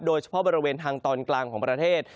โดยเฉพาะบริเวณทางตอนกลางของประเทศ